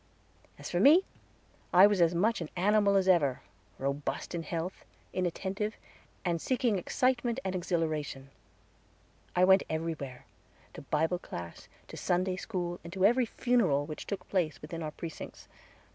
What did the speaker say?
As for me, I was as much an animal as ever robust in health inattentive, and seeking excitement and exhilaration. I went everywhere, to Bible class, to Sunday school, and to every funeral which took place within our precincts.